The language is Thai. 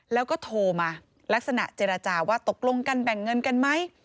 แล้วก็โทรมาลักษณะเจรจาว่าตกลงกันแบ่งเงินกันไหม